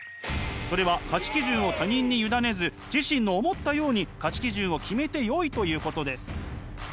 それは価値基準を他人に委ねず自身の思ったように価値基準を決めてよいということです。